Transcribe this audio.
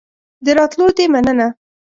د راتلو دي مننه